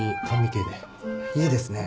いいですね。